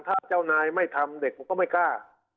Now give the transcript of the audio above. ถ้าเจ้านายไม่ทำเด็กผมก็ไม่กล้า